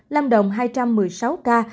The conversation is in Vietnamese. lâm đồng hai trăm một mươi sáu ca